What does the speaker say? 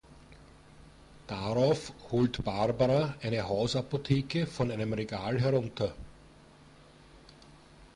Darauf holt Barbara eine Hausapotheke von einem Regal herunter.